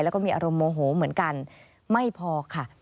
แล้วก็มีอารมณ์โมโหเหมือนกันไม่พอค่ะ